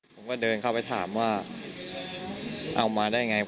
ผมก็เดินเข้าไปถามว่าเอามาได้ไง